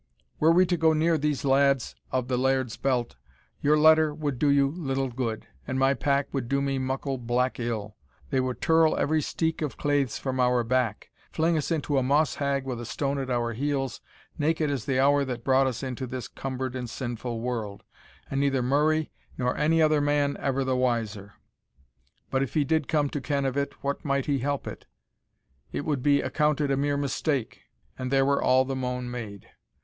Were we to go near these lads of the laird's belt, your letter would do you little good, and my pack would do me muckle black ill; they would tirl every steek of claithes from our back, fling us into a moss hag with a stone at our heels, naked as the hour that brought us into this cumbered and sinful world, and neither Murray nor any other man ever the wiser. But if he did come to ken of it, what might he help it? it would be accounted a mere mistake, and there were all the moan made.